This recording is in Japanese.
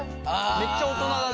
めっちゃ大人だね。